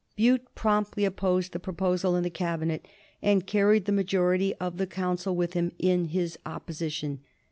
Bute promptly opposed the proposal in the Cabinet, and carried the majority of the Council with him in his opposition.